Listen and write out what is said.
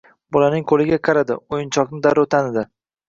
Bolaning qo`liga qaradi o`yinchoqni darrov tanidi